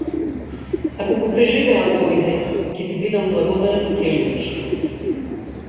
Ако го преживеам овој ден ќе ти бидам благодарен целиот живот.